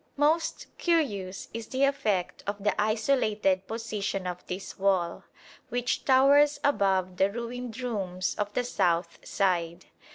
Most curious is the effect of the isolated position of this wall, which towers above the ruined rooms of the south side.